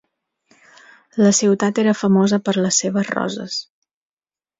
La ciutat era famosa per les seves roses.